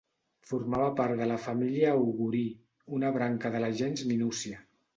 Formava part de la família Augurí, una branca de la gens Minúcia.